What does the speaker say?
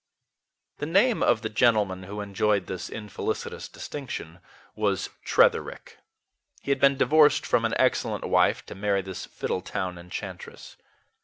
The name of the gentleman who enjoyed this infelicitous distinction was Tretherick. He had been divorced from an excellent wife to marry this Fiddletown enchantress.